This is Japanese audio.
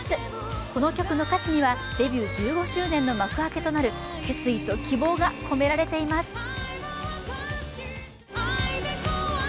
この曲の歌詞には、デビュー１５周年の幕開けとなる決意と希望が込められています。